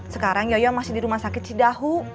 sekarang yoyo masih di rumah sakit si dahu